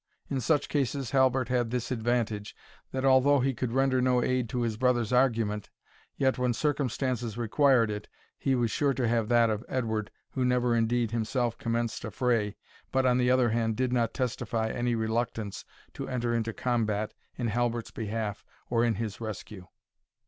In such cases Halbert had this advantage, that although ho could render no aid to his brother's argument, yet when circumstances required it, he was sure to have that of Edward, who never indeed himself commenced a fray, but, on the other hand, did not testify any reluctance to enter into combat in Halbert's behalf or in his rescue.